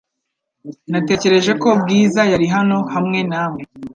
Natekereje ko Bwiza yari hano hamwe nawe .